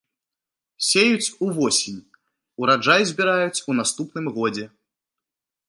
Сеюць увосень, ураджай збіраюць у наступным годзе.